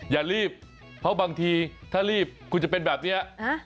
อย่ารีบเพราะบางทีถ้ารีบคุณจะเป็นแบบนี้